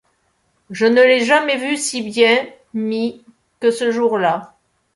Je ne l’ai jamais vu si bien mis que ce jour-là.